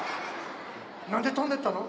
何で飛んでったの？